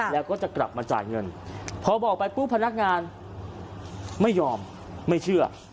แล้วก็จะกลับมาจ่ายเงินพอบอกไปปุ๊บพนักงานไม่ยอมไม่เชื่อ